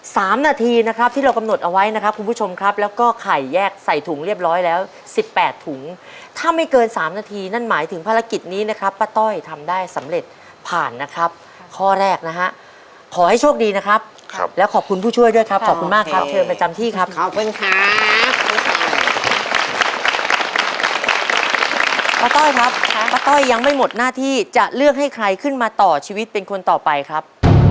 สามนาทีนะครับที่เรากำหนดเอาไว้นะครับคุณผู้ชมครับแล้วก็ไข่แยกใส่ถุงเรียบร้อยแล้วสิบแปดถุงถ้าไม่เกินสามนาทีนั่นหมายถึงภารกิจนี้นะครับป้าต้อยทำได้สำเร็จผ่านนะครับข้อแรกนะฮะขอให้โชคดีนะครับครับแล้วขอบคุณผู้ช่วยด้วยครับขอบคุณมากครับเชิญมาจำที่ครับขอบคุณครับป้าต้อยครับ